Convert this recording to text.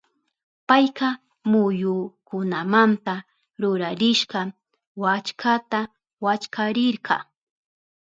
Payka muyukunamanta rurarishka wallkata wallkarirka.